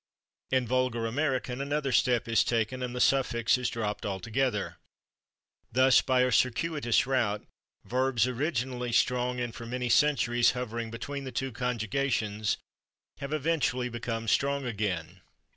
In vulgar American another step is taken, and the suffix is dropped altogether. Thus, by a circuitous route, verbs originally strong, and for many centuries hovering between the two conjugations, have eventually become strong again.